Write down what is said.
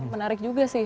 menarik juga sih